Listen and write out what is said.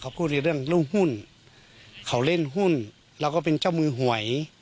เขาพูดในเรื่องเรื่องหุ้นเขาเล่นหุ้นเราก็เป็นเจ้ามือหวย